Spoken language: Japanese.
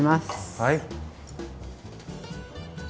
はい。